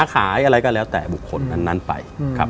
ค้าอะไรก็แล้วแต่บวคคลั้นไป